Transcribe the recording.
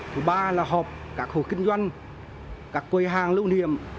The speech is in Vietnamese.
thứ ba là họp các hồ kinh doanh các quầy hàng lưu niệm